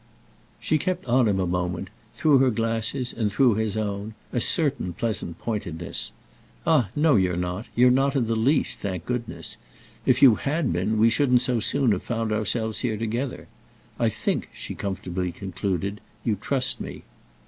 She kept on him a moment, through her glasses and through his own, a certain pleasant pointedness. "Ah no, you're not! You're not in the least, thank goodness! If you had been we shouldn't so soon have found ourselves here together. I think," she comfortably concluded, "you trust me."